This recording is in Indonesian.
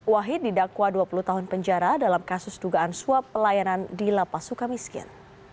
wahid didakwa dua puluh tahun penjara dalam kasus dugaan suap pelayanan di lapa sukamiskin